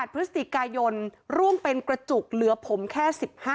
พฤศจิกายนร่วมเป็นกระจุกเหลือผมแค่๑๕